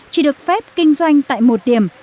chỉ được phép kinh doanh tại một điểm